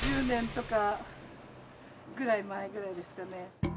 ４０年とかぐらい前ぐらいですかね